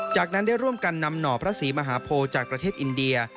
จากนั้นได้ร่วมกันนำหน่อพระศรีมหาโพจากประเทศอินเดีย